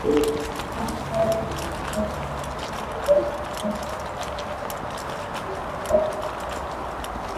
এমনকি তারা নিজেরা কিছু ষড়যন্ত্রের সাথে জড়িয়ে একই সাথে ষড়যন্ত্র তত্ত্বের প্রচার করে গিয়েছেন নিজেদের লক্ষ বাস্তবায়নের জন্য।